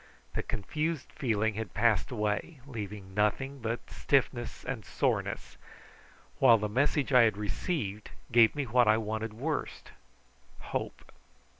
The confused feeling had passed away, leaving nothing but stiffness and soreness, while the message I had received gave me what I wanted worst hope.